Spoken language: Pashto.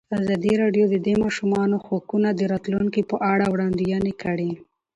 ازادي راډیو د د ماشومانو حقونه د راتلونکې په اړه وړاندوینې کړې.